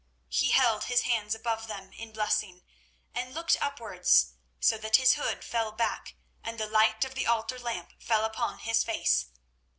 He held his hands above them in blessing and looked upwards, so that his hood fell back, and the light of the altar lamp fell upon his face.